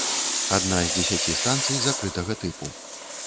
Адна з дзесяці станцый закрытага тыпу.